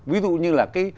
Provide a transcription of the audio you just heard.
ví dụ như là cái